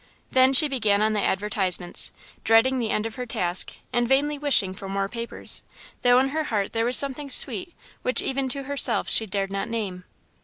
Then she began on the advertisements, dreading the end of her task and vainly wishing for more papers, though in her heart there was something sweet, which, even to herself, she dared not name.